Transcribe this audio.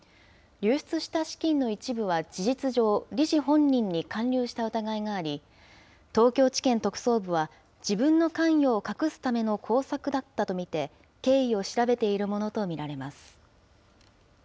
流出した資金の一部は事実上、理事本人に還流した疑いがあり、東京地検特捜部は自分の関与を隠すための工作だったと見て、経緯を調べているものと見られます。